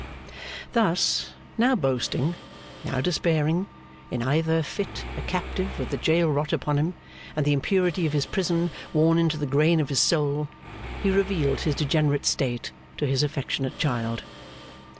Thus, now boasting, now despairing, in either fit a captive with the jail rot upon him, and the impurity of his prison worn into the grain of his soul, he revealed his degenerate state to his affectionate child.